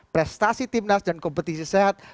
prestasi timnas dan kompetisi sehat